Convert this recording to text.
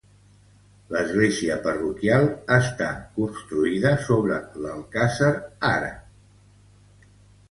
L'església parroquial està construïda sobre l'alcàsser àrab.